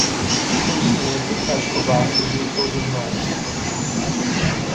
Consciência faz covardes de todos nós